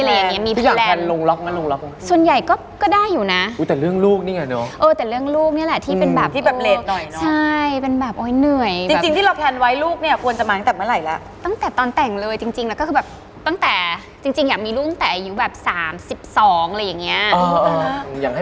ที่อยากแพลนลงรอบมา